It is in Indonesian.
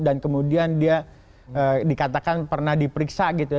dan kemudian dia dikatakan pernah diperiksa gitu ya